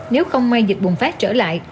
nếu không may dịch bùng phát trở lại